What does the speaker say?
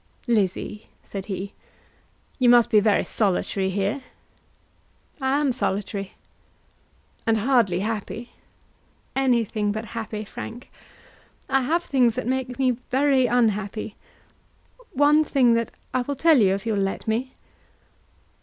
"Lizzie," said he, "you must be very solitary here." "I am solitary." "And hardly happy." "Anything but happy, Frank. I have things that make me very unhappy; one thing that I will tell you if you will let me."